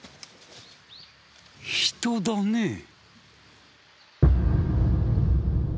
人だね。